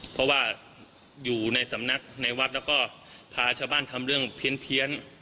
เพราะว่าอยู่ในสำนักในวัดแล้วก็พาชาวบ้านทำเรื่องเพี้ยน